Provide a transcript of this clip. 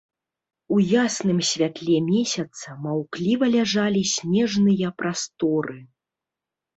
У ясным святле месяца маўкліва ляжалі снежныя прасторы.